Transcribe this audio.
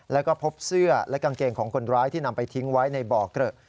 แล้วก็พบเสื้อและกางเกงของคนร้ายที่นำไปทิ้งไว้ในบ่อเกลอะ